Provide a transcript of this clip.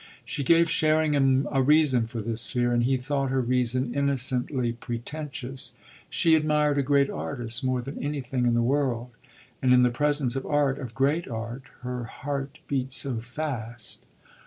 She gave Sherringham a reason for this fear, and he thought her reason innocently pretentious. "She admired a great artist more than anything in the world; and in the presence of art, of great art, her heart beat so fast."